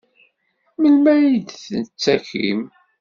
Melmi ay d-tettakim?